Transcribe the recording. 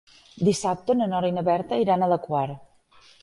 Dissabte na Nora i na Berta iran a la Quar.